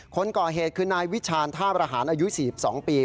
คนก่อเหตุคือนายวิชาณท่าประหารอายุ๔๒ปี